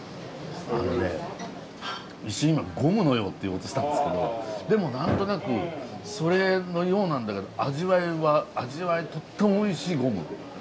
あのね一瞬今ゴムのようって言おうとしたんですけどでもなんとなくそれのようなんだけど味わいはとってもおいしいゴム。